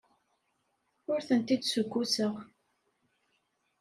Ur ten-id-ssukkuseɣ.